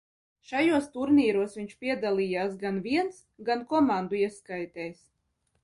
Šajos turnīros viņš piedalījās gan viens, gan komandu ieskaitēs.